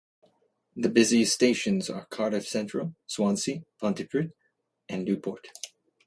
The busiest stations are Cardiff Central, Swansea, Pontypridd, and Newport.